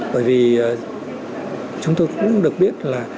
bởi vì chúng tôi cũng được biết là